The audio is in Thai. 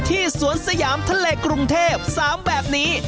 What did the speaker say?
สวนสยามทะเลกรุงเทพ๓แบบนี้